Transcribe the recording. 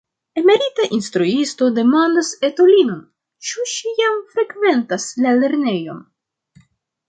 Emerita instruisto demandas etulinon, ĉu ŝi jam frekventas la lernejon.